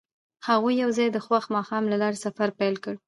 هغوی یوځای د خوښ ماښام له لارې سفر پیل کړ.